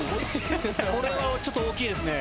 これはちょっと大きいですね。